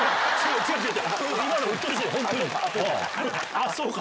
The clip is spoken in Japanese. あぁそうか！